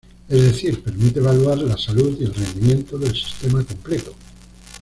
Es decir, permite evaluar la "salud" y el rendimiento del sistema completo.